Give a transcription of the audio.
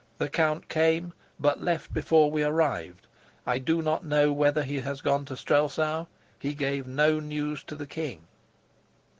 The count came, but left before we arrived. I do not know whether he has gone to Strelsau. He gave no news to the king."